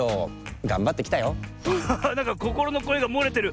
こころのこえがもれてる。